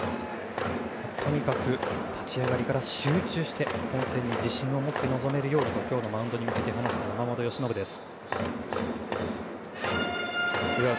とにかく立ち上がりから集中して本戦に自信を持って臨めるようにと今日のマウンドに向けて話した山本由伸です。